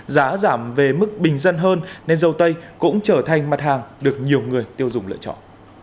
giá giảm về mức bình dân hơn nên dâu tây cũng trở thành mặt hàng được nhiều người tiêu dùng lựa chọn